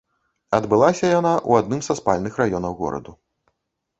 Адбылася яна ў адным са спальных раёнаў гораду.